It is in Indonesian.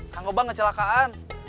kang gobang kecelakaan